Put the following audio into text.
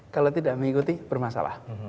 kalau tidak mengikuti bermasalah